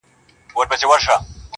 تر شا خلک دلته وېره د زمري سوه!.